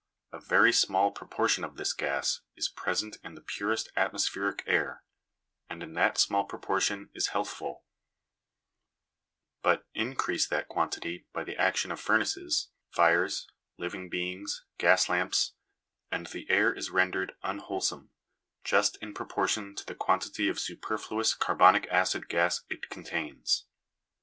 A very small propor tion of this gas is present in the purest atmospheric air, and in that small proportion is healthful ; but increase that quantity by the action of furnaces, fires, living beings, gas lamps, and the air is ren dered unwholesome, just in proportion to the quantity of superfluous carbonic acid gas it contains.